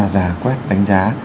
già quét đánh giá